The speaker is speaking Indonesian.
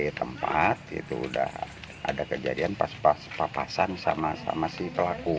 di tempat itu udah ada kejadian pastapahasan sama si pelaku